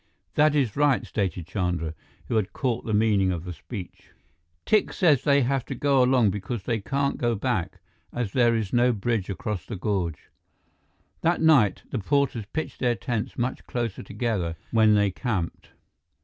"That is right," stated Chandra, who had caught the meaning of the speech. "Tikse says they have to go along because they can't go back, as there is no bridge across the gorge." That night, the porters pitched their tents much closer together when they camped.